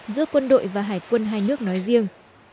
giữa quân đội và hải quân hai nước nói riêng